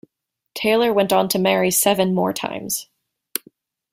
Taylor went on to marry seven more times.